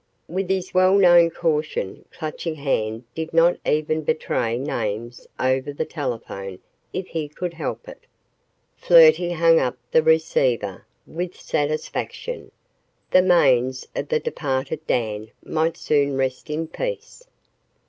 With his well known caution Clutching Hand did not even betray names over the telephone if he could help it. Flirty hung up the receiver with satisfaction. The manes of the departed Dan might soon rest in peace!